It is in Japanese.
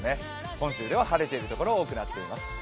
本州では晴れているところ、多くなっています。